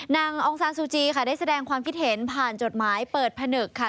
องซานซูจีค่ะได้แสดงความคิดเห็นผ่านจดหมายเปิดผนึกค่ะ